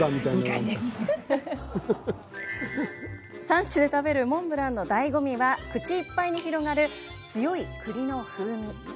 産地で食べるモンブランのだいご味は、口いっぱいに広がる強い栗の風味。